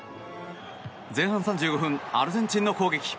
前半３５分アルゼンチンの攻撃。